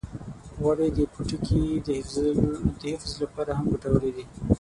غوړې د پوټکي د حفظ لپاره هم ګټورې دي.